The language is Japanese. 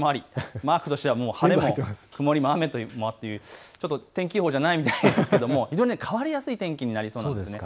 マークとしては晴れも曇りも雨もあるという、天気予報じゃないみたいですが非常に変わりやすい天気です。